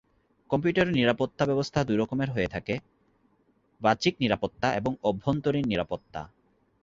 কম্পিউটারের নিরাপত্তা ব্যবস্থা দুই রকমের হয়ে থাকে; বাহ্যিক নিরাপত্তা এবং অভ্যন্তরীণ নিরাপত্তা।